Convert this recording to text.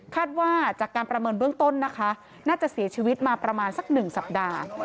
ว่าจากการประเมินเบื้องต้นนะคะน่าจะเสียชีวิตมาประมาณสัก๑สัปดาห์